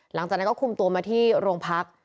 หลังจากนั้นก็คุมตัวมาที่โรงพัก